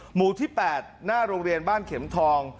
หมู่ที่๘หน้าโรงเรียนบ้านเข็มทอง